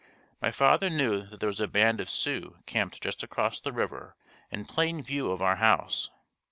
My father knew that there was a band of Sioux camped just across the river, in plain view of our house.